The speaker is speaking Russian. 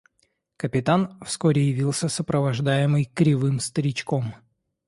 – Капитан вскоре явился, сопровождаемый кривым старичком.